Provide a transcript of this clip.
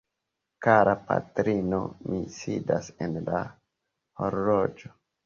Kara patrino, mi sidas en la horloĝo.